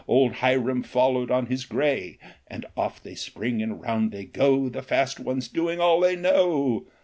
Old Hiram followed on his gray, And off they spring, and round they go, The fast ones doing "all they know."